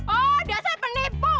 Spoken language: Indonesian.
oh dasar penipu